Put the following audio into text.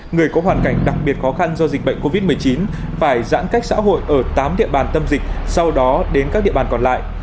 người có hoàn cảnh đặc biệt khó khăn do dịch bệnh covid một mươi chín phải giãn cách xã hội ở tám địa bàn tâm dịch sau đó đến các địa bàn còn lại